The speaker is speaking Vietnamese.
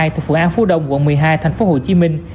thuộc phường an phú đông quận một mươi hai thành phố hồ chí minh